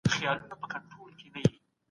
ديارلس جمع يو؛ څوارلس کېږي.